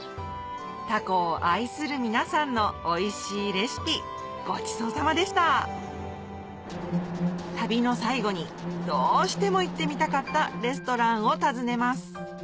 タコを愛する皆さんのおいしいレシピごちそうさまでした旅の最後にどうしても行ってみたかったレストランを訪ねます